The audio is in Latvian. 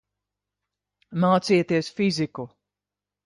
Mācieties fiziku.